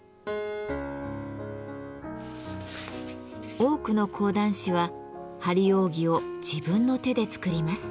多くの講談師は張り扇を自分の手で作ります。